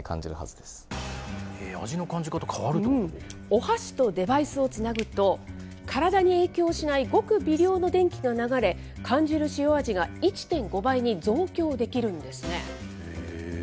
お箸とデバイスをつなぐと、体に影響しないごく微量の電気が流れ、感じる塩味が１．５倍に増強できるんですね。